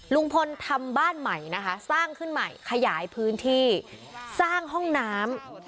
ลุงพลทำบ้านใหม่นะคะสร้างขึ้นใหม่ขยายพื้นที่สร้างห้องน้ำ